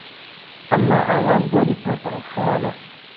ئهمما ئاغام زۆری پەرته ئهو خهیاله